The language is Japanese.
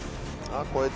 あっ！